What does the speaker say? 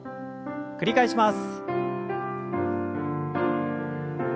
繰り返します。